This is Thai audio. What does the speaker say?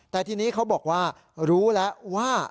แต่ทีนี้เขาบอกว่ารู้แล้วว่า